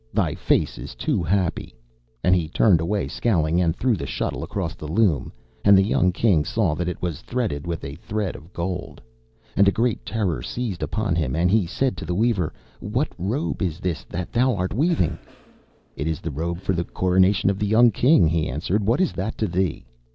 Thy face is too happy.' And he turned away scowling, and threw the shuttle across the loom, and the young King saw that it was threaded with a thread of gold. And a great terror seized upon him, and he said to the weaver, 'What robe is this that thou art weaving?' 'It is the robe for the coronation of the young King,' he answered; 'what is that to thee?